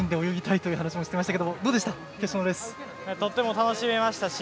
とても楽しめましたし